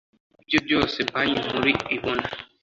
aribyo byose Banki Nkuru ibona